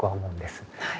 はい。